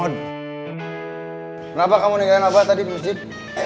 kenapa kamu ninggain abah tadi musjid